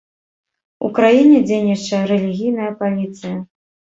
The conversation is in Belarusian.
У краіне дзейнічае рэлігійная паліцыя.